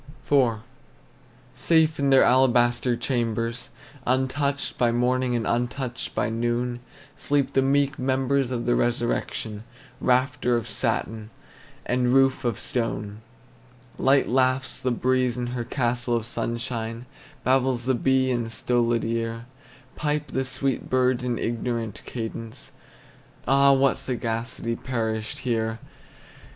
IV. Safe in their alabaster chambers, Untouched by morning and untouched by noon, Sleep the meek members of the resurrection, Rafter of satin, and roof of stone. Light laughs the breeze in her castle of sunshine; Babbles the bee in a stolid ear; Pipe the sweet birds in ignorant cadence, Ah, what sagacity perished here!